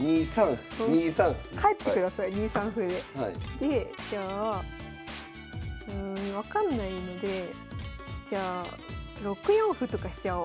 でじゃあうん分かんないのでじゃあ６四歩とかしちゃお。